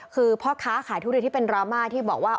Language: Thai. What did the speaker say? คือพ่อค้าขายทุเรียนที่เป็นดราม่าที่บอกว่า